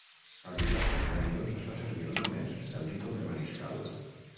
A diversos països es fa servir només el títol de mariscal.